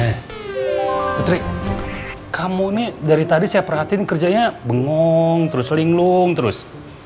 putri kamu ini dari tadi saya perhatiin kerjanya bengong terus linglung terus